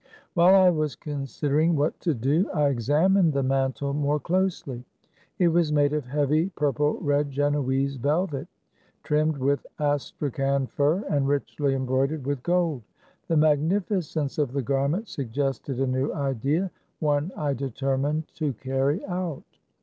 While I was considering what to do, I exam ined the mantle more closely. It was made of heavy purple red Genoese velvet, trimmed with astrakhan fur, and richly embroidered with gold. The magnificence of the garment suggested a new idea ; one I determined to carry out.